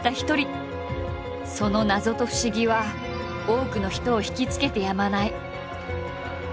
その謎と不思議は多くの人を惹きつけてやまない。